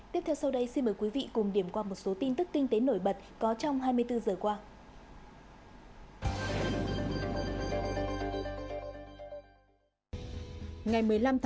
tiếp theo sau đây xin mời quý vị cùng điểm qua một số tin tức kinh tế nổi bật có trong hai mươi bốn giờ qua